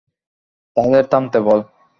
তাদের থামতে বল।